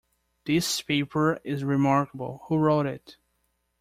This paper is remarkable, who wrote it?